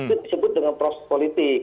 itu disebut dengan proses politik